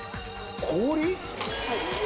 ・氷？